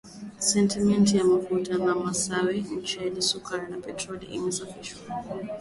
Simenti, mafuta ya mawese, mchele, sukari na petroli iliyosafishwa